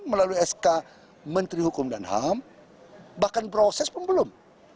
melalui sk menteri hukum dan ham bahkan proses pun belum